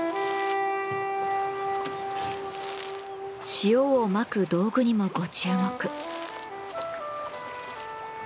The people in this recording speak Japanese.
塩をまく道具にもご注目。